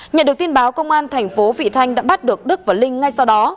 nhận được tin báo công an thành phố vị thanh đã bắt được đức và linh ngay sau đó